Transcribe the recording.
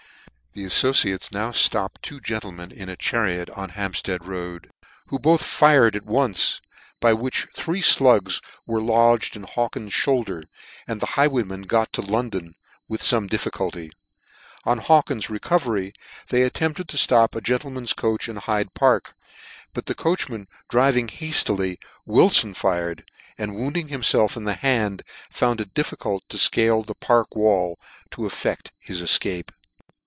The aflbciates now flopped two gentlemen in a chariot on the Hampftead Road, who both fired at once, by which three llugs were lodged in Hawkins's Ihoulder, and the highwaymen got to London, with fome difficulty. On Hawkins's recovery they attempted to ftop a gentleman's coach in Hyde Park ; but the coachman driving haftily, Wilfon fired, and wounding hirafelf in the hand, found it difficult to fcale the Park wall* to effect his efcape.